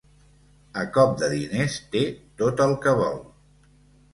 A cop de diners té tot el que vol.